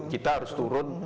kita harus turun